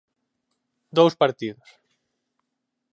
Dous partidos.